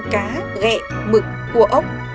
cá ghẹ mực hùa ốc